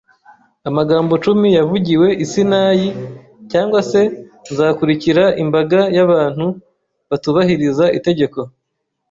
amagambo cumi yavugiwe i Sinayi, cyangwa se nzakurikira imbaga y’abantu batubahiriza itegeko